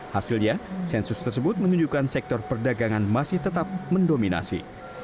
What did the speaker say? hasilnya sensus tersebut menunjukkan sektor perdagangan masih tetap mendominasi